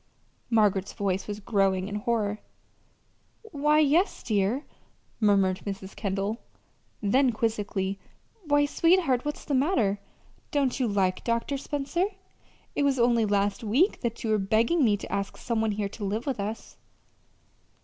Margaret's voice was growing in horror. "Why, yes, dear," murmured Mrs. Kendall; then, quizzically: "Why, sweetheart, what's the matter? Don't you like Dr. Spencer? It was only last week that you were begging me to ask some one here to live with us."